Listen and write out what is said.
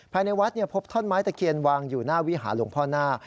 ภายในวัดพบท่อนไม้ตะเคียนวางอยู่หน้าวิหารหลวงพ่อหน้า